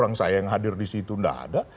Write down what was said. orang saya yang hadir disitu nggak ada